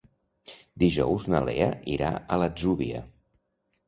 Dijous na Lea irà a l'Atzúbia.